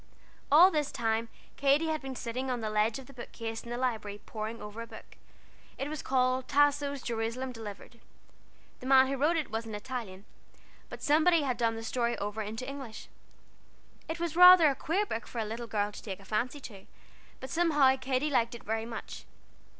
All this time Katy had been sitting on the ledge of the bookcase in the Library, poring over a book. It was called Tasso's Jerusalem Delivered. The man who wrote it was an Italian, but somebody had done the story over into English. It was rather a queer book for a little girl to take a fancy to, but somehow Katy liked it very much.